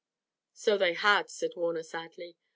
"So they had," said Warner sadly.